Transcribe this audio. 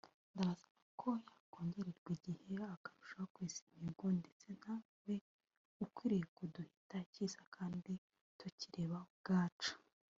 “ Ndasaba ko yakongererwa igihe akarushaho kwesa imihigo ndetse ntawe ukwiriye kuduhitira icyiza kandi tukireba ubwacu”